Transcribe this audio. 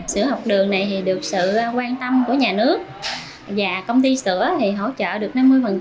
sữa học đường này được sự quan tâm của nhà nước và công ty sữa thì hỗ trợ được năm mươi